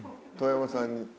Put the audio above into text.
遠山さんに。